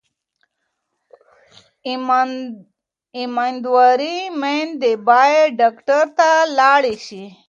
امیندواره میندې باید ډاکټر ته لاړې شي.